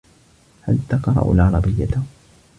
هل تقرأ العربيّة؟